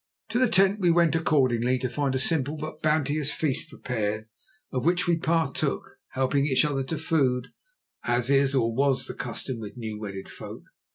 To the tent we went accordingly, to find a simple but bounteous feast prepared, of which we partook, helping each other to food, as is, or was, the custom with new wedded folk.